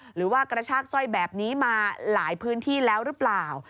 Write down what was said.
หรือว่ากระชากสร้อยแบบนี้มาหลายพื้นที่แล้วหรือเปล่า